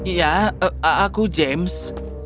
ya aku james